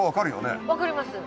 分かります。